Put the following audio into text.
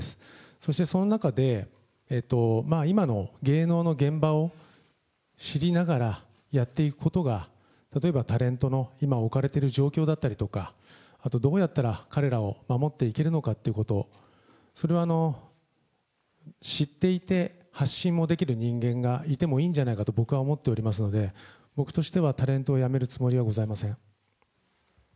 そしてその中で、今の芸能の現場を知りながらやっていくことが、例えばタレントの今置かれている状況だったりとか、あとどうやったら彼らを守っていけるのかということ、それは、知っていて発信もできる人間がいてもいいんじゃないかと僕は思っておりますので、僕としてはタレントをやめるつもりはございません。